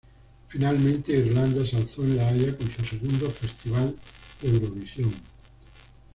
Finalmente Irlanda se alzó en La Haya con su segundo Festival de Eurovisión.